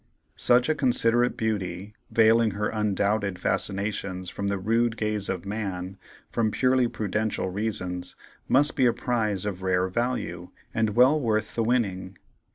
Such a considerate beauty, veiling her undoubted fascinations from the rude gaze of man, from purely prudential reasons, must be a prize of rare value, and well worth the winning.